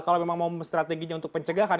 kalau memang mau strateginya untuk pencegahan